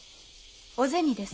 お銭です。